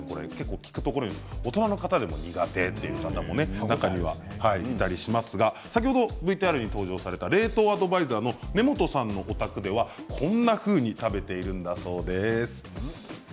聞くところによると大人の方でも苦手という方がいたりもしますが先ほどＶＴＲで登場された冷凍アドバイザーの根本さんのお宅ではこんなふうに食べているんだそうです。